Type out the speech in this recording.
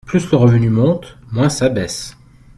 Plus le revenu monte, moins ça baisse.